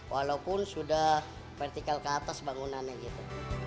walaupun sudah vertikal ke atas bangunannya gitu